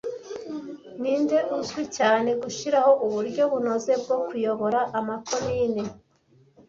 Ninde uzwi cyane "gushiraho uburyo bunoze bwo kuyobora amakomine